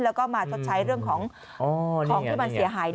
แล้วก็มาชดใช้เรื่องของของที่มันเสียหาย